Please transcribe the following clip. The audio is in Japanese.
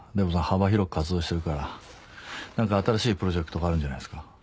幅広く活動してるから何か新しいプロジェクトがあるんじゃないですか？